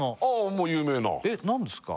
もう有名なえっ何ですか？